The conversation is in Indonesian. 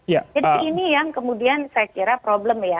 jadi ini yang kemudian saya kira problem ya